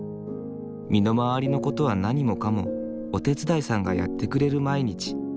身の回りのことは何もかもお手伝いさんがやってくれる毎日。